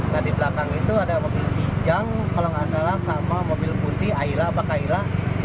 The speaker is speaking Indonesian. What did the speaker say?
nah di belakang itu ada mobil pijang kalau nggak salah sama mobil putih aila bakalaila